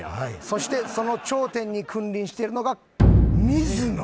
そしてその頂点に君臨してるのが水野！